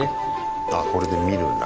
ああこれで見るんだ。